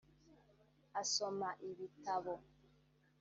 asoma ibitabo